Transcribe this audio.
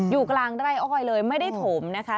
อยู่กลางไร่อ้อยเลยไม่ได้ถมนะคะ